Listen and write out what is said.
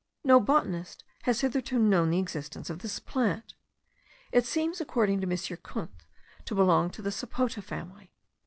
No botanist has hitherto known the existence of this plant. It seems, according to M. Kunth, to belong to the sapota family.